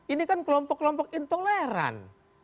ini kan kelompok kelompok intoleran